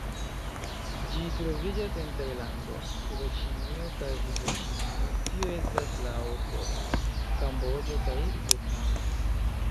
Ĝi troviĝas en Tajlando, suda Ĉinio kaj Hindoĉinio, tio estas Laoso, Kamboĝo kaj Vjetnamo.